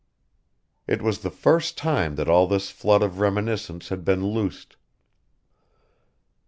It was the first time that all this flood of reminiscence had been loosed.